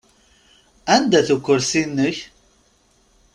Anda-t ukursi-inek?